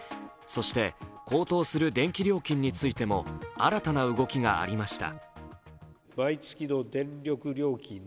そして、高騰する電気料金についても新たな動きがありました。